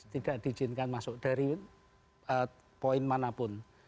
tidak diizinkan masuk dari poin manapun